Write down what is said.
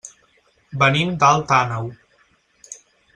Venim d'Alt Àneu.